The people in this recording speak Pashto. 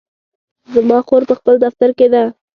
زما خور په خپل دفتر کې ده